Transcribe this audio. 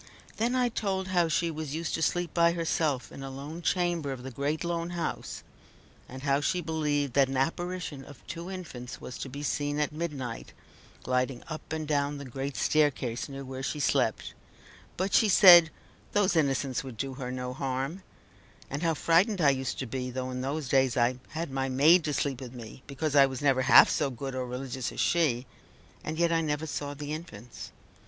Then I told how she was used to sleep by herself in a lone chamber of the great lone house; and how she believed that an apparition of two infants was to be seen at midnight gliding up and down the great staircase near where she slept, but she said, "those innocents would do her no harm;" and how frightened I used to be, though in those days I had my maid to sleep with me, because I was never half so good or religious as she and yet I never saw the infants.